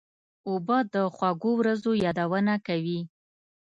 اوبه د خوږو ورځو یادونه کوي.